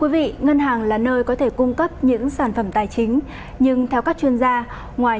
vì ngân hàng là nơi có thể cung cấp những sản phẩm tài chính nhưng theo các chuyên gia ngoài